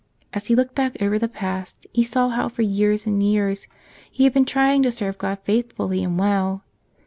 As he looked back over the past he saw how for years and years he had been trying to serve God faithfully and well.